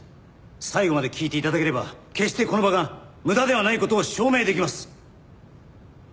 最後まで聞いて頂ければ決してこの場が無駄ではない事を証明できます。